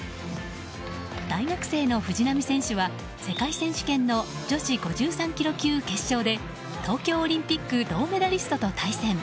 大学生の藤波選手は世界選手権の女子５３ｋｇ級決勝で東京オリンピック銅メダリストと対戦。